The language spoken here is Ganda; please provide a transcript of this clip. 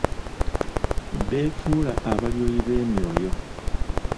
Beefula abalyoyi b'emyoyo.